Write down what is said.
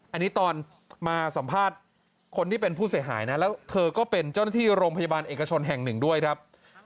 อันนี้ตอนมาสัมภาษณ์คนที่เป็นผู้เสียหายนะแล้วเธอก็เป็นเจ้าหน้าที่โรงพยาบาลเอกชนแห่งหนึ่งด้วยครับ